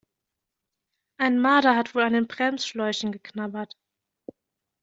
Ein Marder hat wohl an den Bremsschläuchen geknabbert.